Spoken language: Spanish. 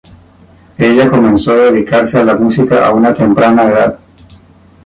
Ella comenzó a dedicarse a la música a una temprana edad.